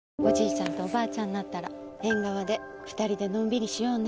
ちゃんとおばあちゃんになったら縁側で２人でのんびりしようね。